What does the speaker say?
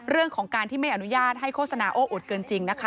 เรื่องของการที่ไม่อนุญาตให้โฆษณาโอ้อดเกินจริงนะคะ